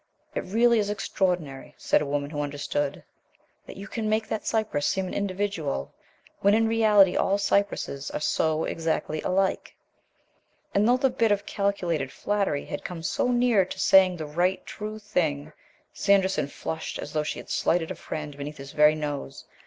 "It really is extraordinary," said a Woman who Understood, "that you can make that cypress seem an individual, when in reality all cypresses are so exactly alike." And though the bit of calculated flattery had come so near to saying the right, true, thing, Sanderson flushed as though she had slighted a friend beneath his very nose.